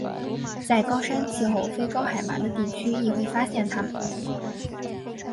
在高山气候非高海拔的地区亦会发现它们。